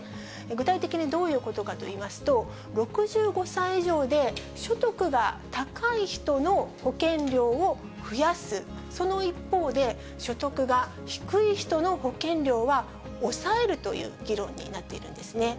具体的にどういうことかといいますと、６５歳以上で所得が高い人の保険料を増やす、その一方で、所得が低い人の保険料は抑えるという議論になっているんですね。